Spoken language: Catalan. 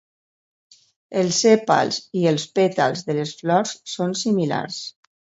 Els sèpals i els pètals de les flors són similars.